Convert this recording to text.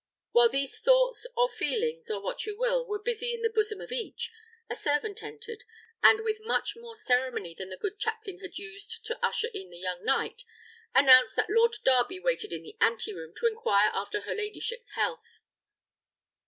While these thoughts, or feelings, or what you will, were busy in the bosom of each, a servant entered, and with much more ceremony than the good chaplain had used to usher in the young knight, announced that Lord Darby waited in the ante chamber to inquire after her ladyship's health.